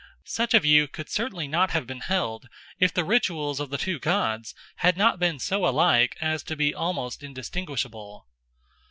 Such a view could certainly not have been held if the rituals of the two gods had not been so alike as to be almost indistinguishable.